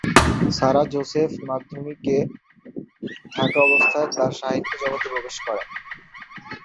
সারা জোসেফ মাধ্যমিকে থাকা অবস্থায় তার সাহিত্য জগতে প্রবেশ করেন।